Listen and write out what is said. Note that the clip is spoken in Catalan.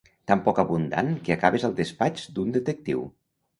Tan poc abundant que acabes al despatx d'un detectiu.